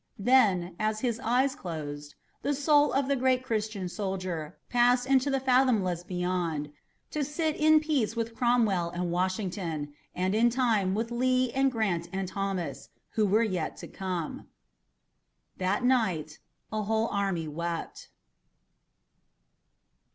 Then, as his eyes closed, the soul of the great Christian soldier passed into the fathomless beyond, to sit in peace with Cromwell and Washington, and in time with Lee and Grant and Thomas, who were yet to come. That night a whole army wept.